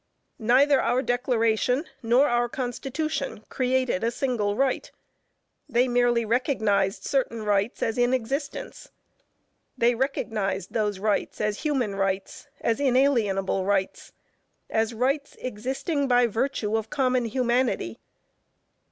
Neither our Declaration, nor our Constitution created a single right; they merely recognized certain rights as in existence. They recognized those rights as human rights, as inalienable rights, as rights existing by virtue of common humanity.